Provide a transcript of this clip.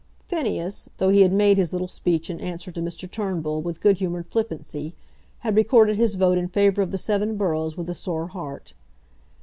Phineas, though he had made his little speech in answer to Mr. Turnbull with good humoured flippancy, had recorded his vote in favour of the seven boroughs with a sore heart.